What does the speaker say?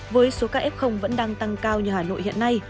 với số ca f vẫn đang tăng cao như hà nội hiện nay